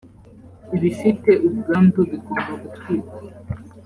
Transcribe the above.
ibifite ubwandu bigomba gutwikwa